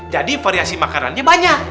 jadi variasi makarannya banyak